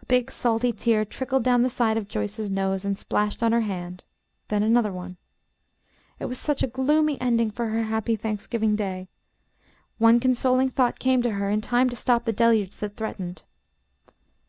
A big salty tear trickled down the side of Joyce's nose and splashed on her hand; then another one. It was such a gloomy ending for her happy Thanksgiving Day. One consoling thought came to her in time to stop the deluge that threatened.